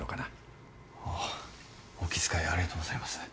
あお気遣いありがとうございます。